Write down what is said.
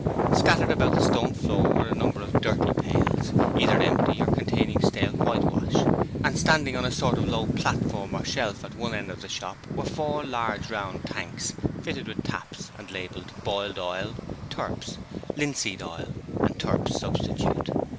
Scattered about the stone floor were a number of dirty pails, either empty or containing stale whitewash; and standing on a sort of low platform or shelf at one end of the shop were four large round tanks fitted with taps and labelled 'Boiled Oil', 'Turps', 'Linseed Oil', 'Turps Substitute'.